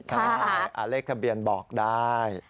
ใช่เลขทะเบียนบอกได้